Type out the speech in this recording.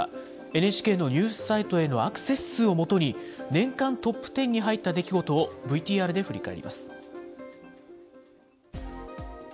ＮＨＫのニュースサイトへのアクセス数をもとに、年間トップ１０に入った出来事をＶＴＲで振り返ります。